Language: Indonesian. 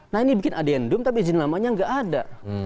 nah ini bikin adendum tapi izin lamanya gak ada